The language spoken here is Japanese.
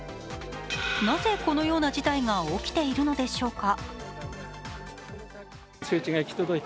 なぜ、このような事態が起きているのでしょうか。